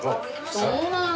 そうなんだ。